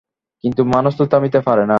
কিন্তু মানুষ তো থামিতে পারে না।